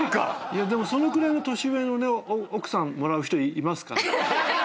いやでもそのくらいの年上の奧さんもらう人いますから。